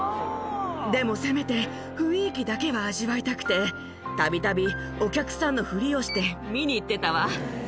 でも、せめて雰囲気だけは味わいたくて、たびたびお客さんのふりをして、見に行ってたわ。